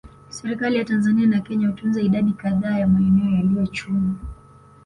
Serikali ya Tanzania na Kenya hutunza idadi kadhaa ya maeneo yaliyochunwa